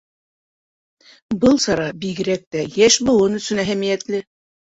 Был сара бигерәк тә йәш быуын өсөн әһәмиәтле.